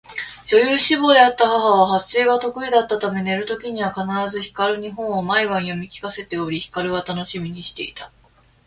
女優志望であった母は発声が得意だったため寝る時には必ず光に本を毎晩読み聞かせており、光は楽しみにしていた